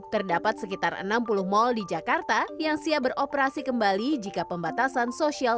terdapat sekitar enam puluh mal di jakarta yang siap beroperasi kembali jika pembatasan sosial